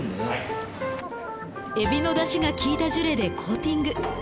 エビのだしが利いたジュレでコーティング。